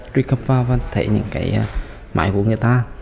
truy cập vào và thấy những cái máy của người ta